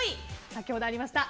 先ほどありました